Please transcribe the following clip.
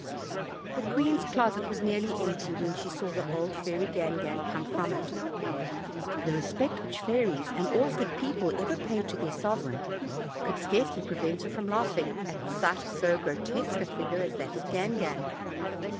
The queen's closet was nearly empty, when she saw the old fairy Gangan come from it. The respect which fairies and all good people ever pay to their sovereign could scarcely prevent her from laughing at the sight of so grotesque a figure as that of Gangan.